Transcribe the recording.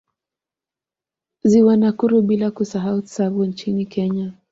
Ziwa Nakuru bila kusahau Tsavo nchini Kenya